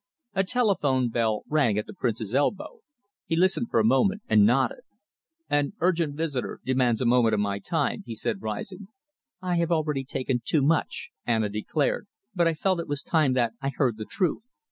A telephone bell rang at the Prince's elbow. He listened for a moment and nodded. "An urgent visitor demands a moment of my time," he said, rising. "I have taken already too much," Anna declared, "but I felt it was time that I heard the truth.